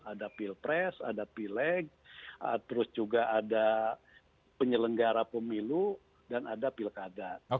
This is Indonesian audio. ada pilpres ada pileg terus juga ada penyelenggara pemilu dan ada pilkada